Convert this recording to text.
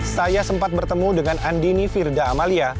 saya sempat bertemu dengan andini firda amalia